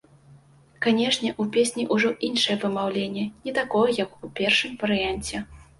Канешне, у песні ўжо іншае вымаўленне, не такое, як у першым варыянце.